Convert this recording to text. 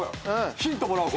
ヒントもらおう